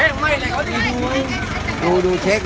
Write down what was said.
สวัสดีครับทุกคน